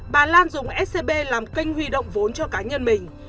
bà lan dùng scb làm kênh huy động vốn cho cá nhân mình